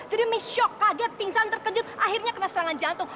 jadi misyok kaget pingsan terkejut akhirnya kena serangan jantung